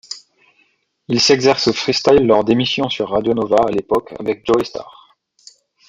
Il s'exerce au free-style lors d'émissions sur radio Nova, à l'époque avec Joey Starr.